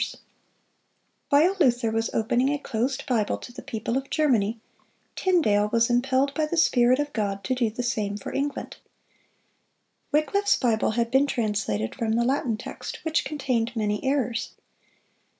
] While Luther was opening a closed Bible to the people of Germany, Tyndale was impelled by the Spirit of God to do the same for England. Wycliffe's Bible had been translated from the Latin text, which contained many errors.